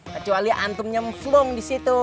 kecuali antum nyemplung di situ